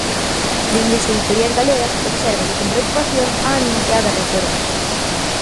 Dende as editoriais galegas obsérvase con preocupación a anunciada reforma.